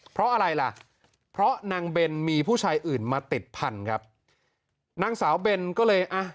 เพราะอะไรล่ะเพราะนางเบนมีผู้ชายอื่นมาติดพันธุ์ครับนางสาวเบนก็เลยอ่ะ